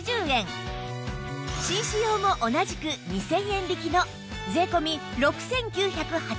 紳士用も同じく２０００円引きの税込６９８０円